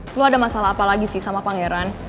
belum ada masalah apa lagi sih sama pangeran